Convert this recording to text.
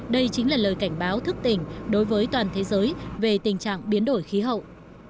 đây chính là lời cảnh báo thức tỉnh đối với toàn thế giới về tình trạng biến đổi khí hậu